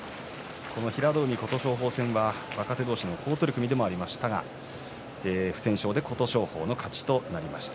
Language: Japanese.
平戸海、琴勝峰戦は若手同士の好取組でありましたが不戦勝で琴勝峰が勝ちとなりました。